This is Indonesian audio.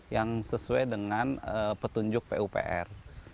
yang sesuai dengan petunjuk pupr